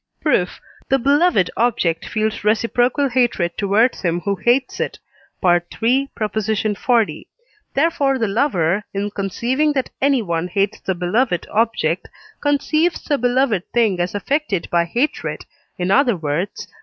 Proof. The beloved object feels reciprocal hatred towards him who hates it (III. xl.); therefore the lover, in conceiving that anyone hates the beloved object, conceives the beloved thing as affected by hatred, in other words (III.